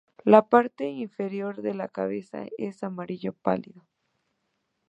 La parte inferior de la cabeza es amarillo pálido.